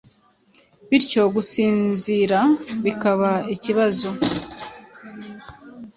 bityo gusinzira bikaba ikibazo.